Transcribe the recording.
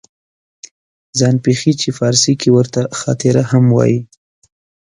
ځان پېښې چې فارسي کې ورته خاطره هم وایي